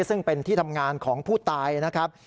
ซึ่งเป็นที่ทำงานของผู้ตายนะครับ